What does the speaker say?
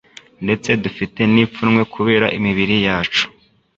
ndetse dufite n'ipfunwe kubera imibiri yacu